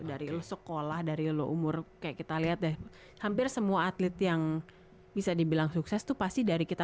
dari lo sekolah dari lo umur kayak kita lihat deh hampir semua atlet yang bisa dibilang sukses tuh pasti dari kita